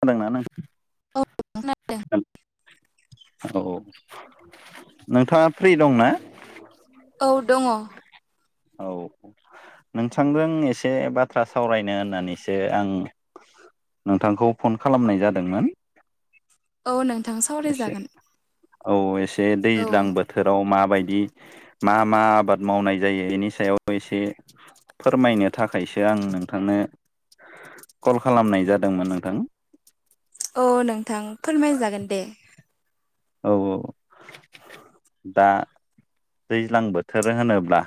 खोदोंना औ खोनादों नोंथां हेलौ औ नोंथाङा फ्रि दं ना? औ दङ। औ नोंथांजों एसे बाथ्रा सावरायनो होननानैसो आं नोंथांखौ फन खालामनाय जादोंमोन। औ नोंथां एसे सावरायजागोन औ एसे औ दैज्लां बोथोराव मा बायदि मा मा आबाद मावनाय जायो बेनि सायाव एसे फोरमायनो थाखायसो आं नोंथांनो कल खालामनाय जादोंमोन नोंथां। औ नोंथां फोरमाय जागोन दे। औ औ। दा दैज्लां बोथोर होनोब्ला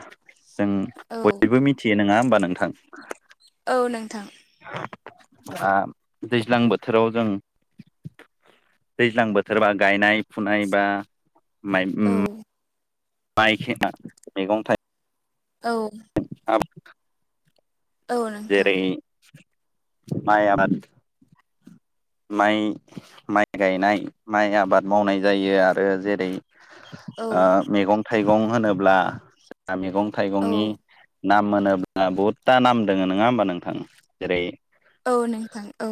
जों औ बयबो मिथियो नङा होमबा नोंथां? औ नोंथां। आं दैज्लां बोथोराव जों दैज्लां बोथोरबा गायनाय फुनाय बा माइ औ माइखेना मैगं थाइ औ आ औ नोंथां जेरै माया माइ माइ गायनाय माइ आबाद मावनाय जायो आरो जेरै औ ओ मैगं थाइगं होनोब्ला मैगं औ थाइगंनि नाम मोनोब्ला बहुतथा नाम दोङ नङा होमबा नोंथां जेरै औ नोंथां औ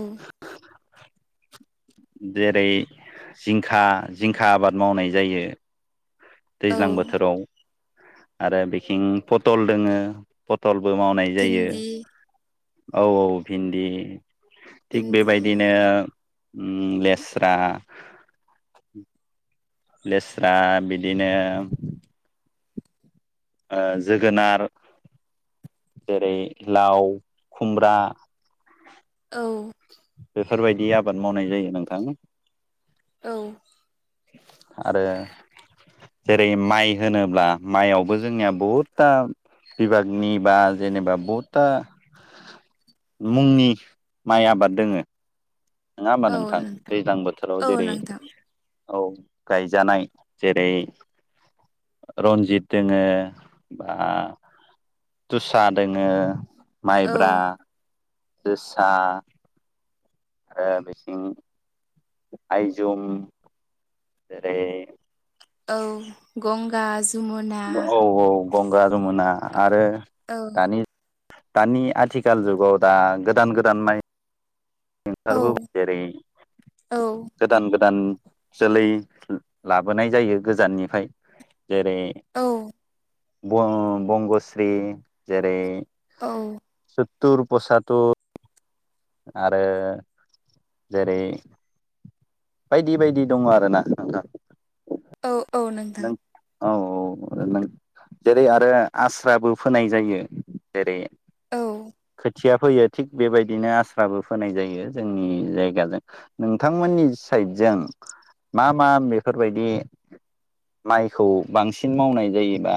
जेरै जिंखा जिंखा आबाद मावनाय जायो औ दैज्लां बोथोराव आरो बिथिं पटल दोङो पटल बो मावनाय जायो भिन्दि औ औ भिन्दि थिग भिन्दि बेबायदिनो ओम लेस्रा लेस्रा बिदिनो ओ जोगोनार जेरै लाव खुमब्रा औ बेफोरबायदि आबाद मावनाय जायो नोंथां औ आरो जेरै माइ होनोब्ला माइयावबो जोंनिया बहुदथा बिभागनि बा जेनेबा बहुदथा मुंनि माइ आबाद दोङो नङा होमबा नोंथां दैज्लां बोथोराव औ जेरै नोंथां औ गायजानाय जेरै रन्जित दोङो बा जोसा दोङो औ माइब्रा जोसा ओ बिथिं आइजुम जेरै औ गंगा जमुना औ औ गंगा जमुना आरो औ दानि दानि आथिखाल जुगाव दा गोदान गोदान माइ औ ओंखारबोबाय जेरै औ गोदान गोदान जोलै लाबोनाय जायो गोजाननिफ्राय जेरै औ बंग'स्रि जेरै औ मथुर पसाथुर आरो जेरै बायदि बायदि दङ आरोना नोंथां औ औ नोंथां नों औ औ जेरै आरो आस्राबो फोनाय जायो जेरै औ थिया फैयो थिग बेबायदिनो आस्राबो फोनाय जायो जोंनि जायगाजों नोंथांमोननि जों मा मा बेफोरबायदि माइखौ बांसिन मावनाय जायोबा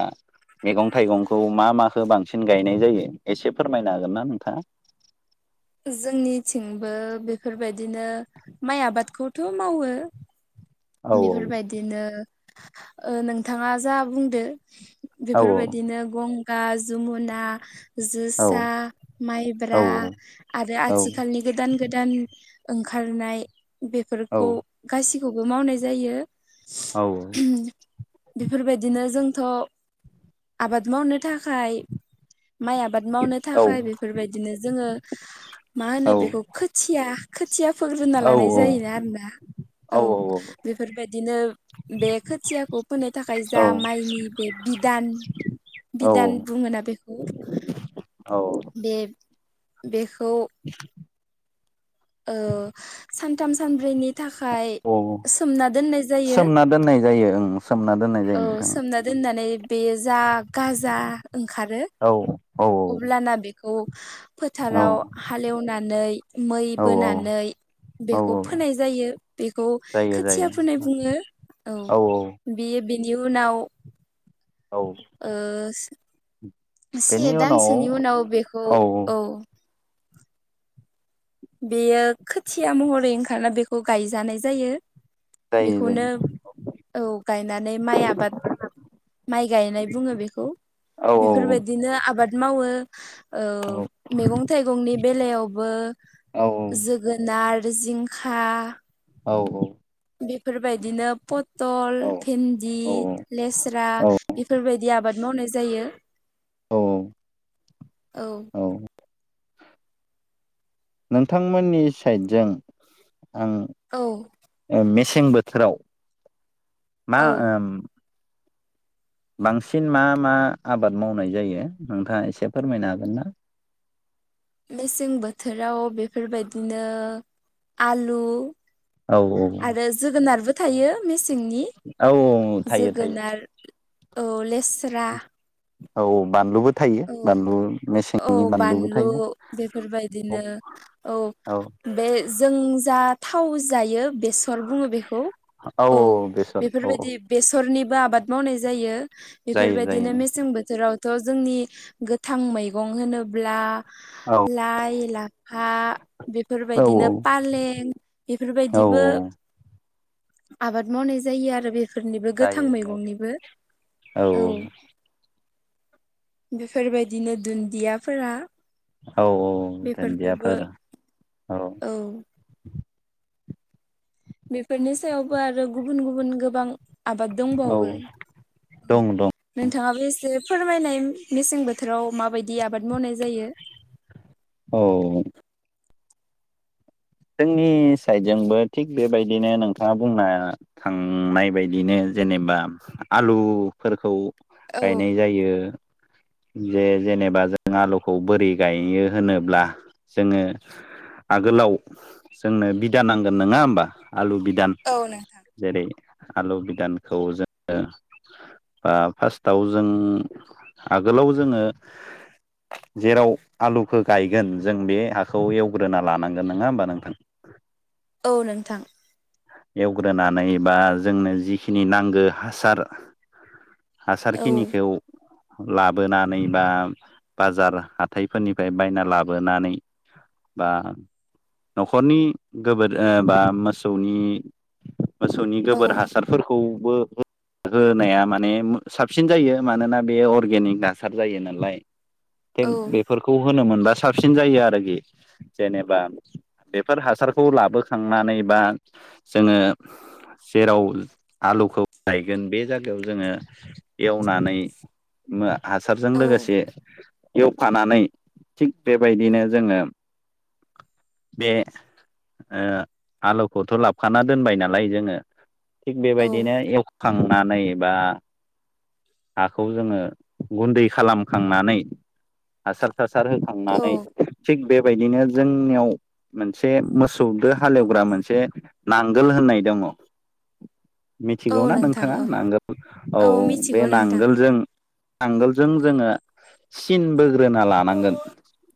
मैगं थाइगंखौ मा मा खौ बांसिन गायनाय जायो एसे फोरमायनो हागोन ना नोंथाङा जोंनिथिंबो बेफोरबायदिनो माइ आबादखौथ' मावो औ बेफोरबायदिनो ओ नोंथाङा जा बुंदो औ बेफोरबायदिनो गंगा जमुना औ जोसा माइब्रा औ आरो औ आथिखालनि गोदान गोदान ओंखारनाय औ बेफोरखौ गासिखौबो मावनाय जायो औ बेफोरबायदिनो जोंथ' आबाद मावनो थाखाय माइ आबाद मावनो थाखाय बेफोरबायदिनो जोङो मा होनो औ बेखौ खोथिया खोथिया फोग्रोना लानाय जायोना आरोना औ। बेफोरबायदिनो बे खोथियाखौ फोनो थाखाय जा माइनि बे बिदान। औ बिधान बुङोना बेखौ औ बे [inaudible] ओ सानथाम सानब्रैनि थाखाय औ सोमना दोननाय जायो। सोमना दोननाय जायो ओं सोमना दोननाय जायो औ नोंथां सोमना दोननानै बेयो जा गाजा ओंखारो औ औ अब्लाना बेखौ औ फोथाराव हालेवनानै मै औ औ बोनानै औ बेखौ फोनाय जायो बेखौ जायो खोथिया जायो फोनाय बुङो। औ बेयो बेनि उनाव औ ओ से बेनि उनाव दानसोनि उनाव बेखौ औ बेयो खोथिया महरै ओंखारना बेखौ गायजानाय जायो। जायो जायो बेखौनो औ गायनानै माइ आबाद माइ गायनाय बुङो बेखौ औ बेफोरबायदिनो आबाद मावो ओ औ मैगं थाइगंनि बेलायावबो औ जोगो नार, जिंखा औ औ बेफोरबायदिनो पथल, भेन्दि, लेस्रा औ बेफोरबायदि आबाद मावनाय जायो औ औ। नोंथांमोननि साइटजों औ आं मेसें बोथोराव मा औ बांसिन मा मा आबाद मावनाय जायो नोंथाङा एसे फोरमायनो हागोन ना? [inaudible] मेसें बोथोराव बेफोरबायदिनो आलु औ आरो जोगोनारबो थायो। मेसेंनि औ थायो थायो जोगोनार औ लेस्रा औ बानलुबो थायो औ बानलु औ मेसेंनि बानलुबो बानलु थायो औ बेफोरबायदिनो औ बे जों जा थाव जायो। बेसर बुङो बेखौ औ बेसर औ औ बेफोरबायदि बेसरनिबो आबाद मावनाय जायो। जायो जायो बेफोरबायदिनो मेसें बोथोरावथ' जोंनि गोथां मैगं होनोब्ला औ [inaudible] लाइ लाफा औ बेफोरबायदिनो फालें औ बेफोरबायदिबो आबाद मावनाय जायो आरो बे फोरनिबो गोथां जायो मैगंनिबो औ बेफोरबायदिनो दुन्दियाफोरा औ औ बेफोरखौबो दुन्दियाफोर औ बेफोरनि सायावबो आरो गुबुन गुबुन गोबां आबाद औ दंबावो नोंथ दं दं नोंथाङाबो एसे फोरमायनाय मेसें बोथोराव माबायदि आबाद मावनाय जायो? औ जोंनि साइडजोंबो थिग बेबायदिनो नोंथाङा बुंनो थांनाय बायदिनो जेनेबा आलुफोरखौ औ गायनाय जायो। [inaudible] जे जेनेबा जों आलुखौ बोरि गायो होनोब्ला जोङो आगोलाव जोंनो बिदा नांगोन नङा होमबा आलु बिदान औ नोंथां जेरै आलु बिदानखौ जोङो बा फार्स्टआव जों आगोलाव जोङो जेराव आलुखौ गायगोन जों बे हाखौ एवग्रोना लानांगोन नङा होमबा नोंथां? औ नोंथां एवग्रोनानै बा जोंनो जिखिनि नांगौ हासार औ हासारखिनिखौ लाबोनानै बा बाजार हाथाइफोरनिफ्राय बायना लाबोनानै बा न'खरनि गोबोर बा मोसौनि मोसौनि औ गोबोर हासारफोरखौबो बो होनाया माने साबसिन जायो मानोना बे अर्गेनिक हासार जायो नालाय। थिग औ बेफोरखौ होनो मोनबा साबसिन जायो आरोखि जेनेबा बेफोर हासारखौ लाबोखांनानै बा जोङो जेराव आलुखौ गायगोन बे जायगायाव जोङो एवना नानै म हासारजों औ लोगोसे एवफानानै थिग बेबायदिनो जोङो बे, ओ, लौखौथ' लाब खाना दोनबाय नालाय जोङो थिग औ बेबायदिनो एवखांनानै बा हाखौ जोङो गुन्दै खालामखांनानै हासार थासार औ होखांनानै थिग बेबायदिनो जोंनियाव मोनसे मोसौदो हालेवग्रा मोनसे नांगोल होननाय दङ औ मिथिगौ ना नोंथां नोंथाङा औ नांगोल? औ बे मिथिगौ नोंथां नांगोलजों नांगोलजों जोङो सिनबो बोना लानांगोन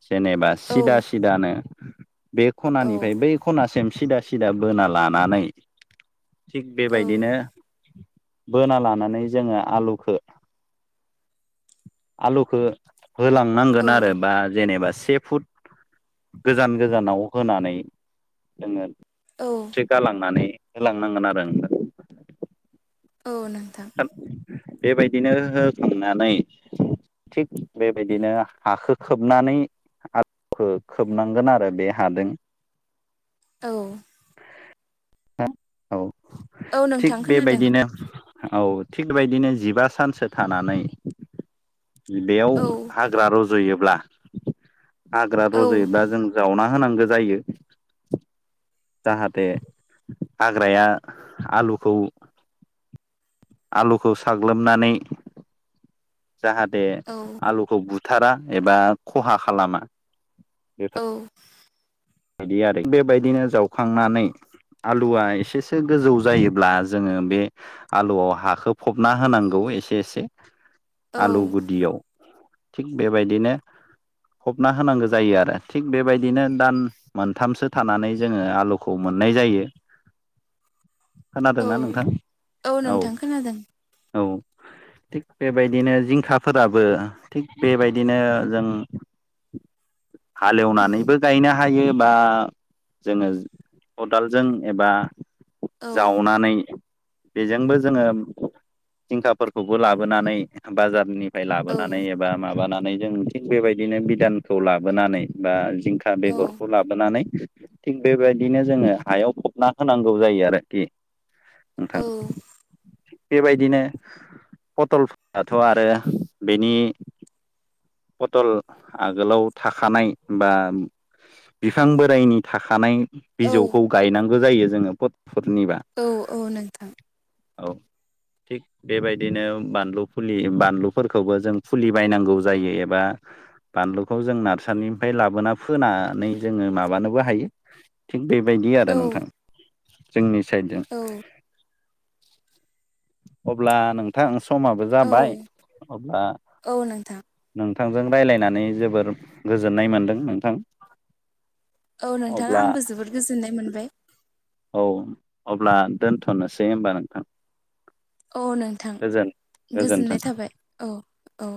जेनेबा औ सिदा सिदानो बे औ खनानिफ्राय बै खनासिम सिदा सिदा बोना लानानै थिग औ बेबायदिनो बोना लानानै जोङो आलुखौ [inaudible] आलुखौ होलांनांगोन औ आरो बा जेनेबा से फुट गोजान गोजानाव होनानै जोङो औ थ्रि गालांनानै होलांनांगोन आरो औ नोंथां बेबायदिनो हो-होखांनानै थिग बेबायदिनो हाखो खोबनानै आ [inaudible] खौ खोबनांगोन आरो बे हादों औ [unintelligible] औ औ थिग नोंथां खोनादों बेबायदिनो औ थिग बदिनो जिबा सानसो थानानै बेयाव औ हाग्रा रज'योब्ला हाग्रा औ रज'योब्ला जों जावना होनांगौ जायो। जाहाथे हाग्राया आलुखौ [inaudible] आलुखौ साग्लोबनानै जाहाथे औ आलुखौ बुथारा एबा खहा खालामा औ बिदि आरो बेबायदिनो जावखांनानै आलुआ एसेसो गोजौ जायोब्ला जोङो बे आलुआव हाखौ फबना होनांगौ। एसे एसे आलु औ गुदियाव थिग बेबायदिनो फबना होनांगौ जायो आरो थिग बेबायदिनो दान मोनथामसो थानानै जोङो आलुखौ मोननाय जायो। औ खोनादोंना नोंथां? औ, नोंथां खोनादों औ थिग बेबायदिनो जिंखाफोराबो थिग बेबायदिनो जों [unintelligible] औ हालेवनानैबो गायनो हायो। बा जोङो खदालजों एबा औ जावनानै बेजोंबो जोङो जिंखाफोरखौबो लाबोनानै बाजारनि फाय औ लाबोनानै एबा माबानानै जों थिग बेबायदिनो बिदानखौ लाबोनानै बा जिंखा बेगर नानै थिग बेबायदिनो जोङो हायाव फबना होनांगौ जायो आरोखि नोंथां। औ बेबायदिनो पटलफोराथ' आरो बेनि पटल आगोलाव थाखानाय बा बिफां बोराइनि थाखानाय औ बिजौखौ गायनांगौ जायो जोङो पट औ औ नोंथां औ थिग बेबायदिनो बानलु फुलि बानलुफोरखौबो जों फुलि बायनांगौ जायो एबा बानलुखौ जों नारसारिनिफ्राय लाबोना फोनानै जोङो माबानोबो हायो थिग बेबायदि आरो औ नोंथां जोंनि साइडजों औ अब्ला नोंथां समाबो औ जाबाय अब्ला औ नोंथां नों नोंथांजों रायज्लायनानै जोबोर गोजोननाय मोनदों नोंथां औ नोंथां अब्ला आंबो जोबोद गोजोननाय मोनबाय औ अब्ला दोनथ'नोसै होनबा नोंथां औ नोंथां गो गोजोननाय गोजोनथों थाबाय औ औ